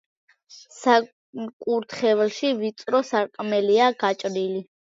საკურთხეველში ვიწრო სარკმელია გაჭრილი.